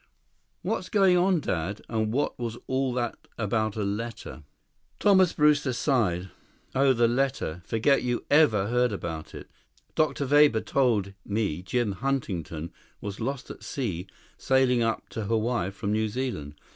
"What's going on, Dad? And what was all that about a letter?" Thomas Brewster sighed. "Oh, the letter. Forget you ever heard about it. Dr. Weber told me Jim Huntington was lost at sea sailing up to Hawaii from New Zealand.